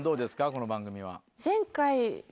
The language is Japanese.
この番組は。